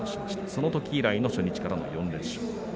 そのとき以来の初日からの４連勝。